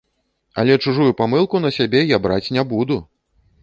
Але чужую памылку на сябе я браць не буду!